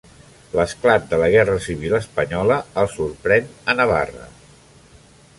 L'esclat de la guerra civil espanyola el sorprèn a Navarra.